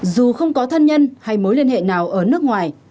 dù không có thân nhân hay mối liên hệ nào ở nước ngoài